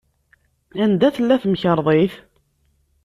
Anda tella temkerḍit?